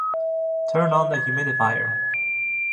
Turn on the humidifier.